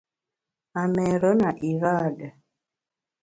A méére na iraade.